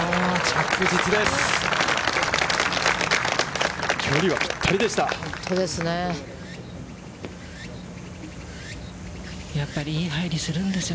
着実です。